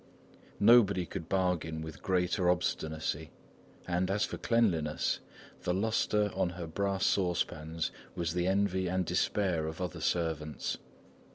Nobody could bargain with greater obstinacy, and as for cleanliness, the lustre on her brass saucepans was the envy and despair of other servants.